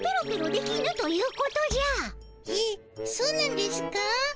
そうなんですかぁ？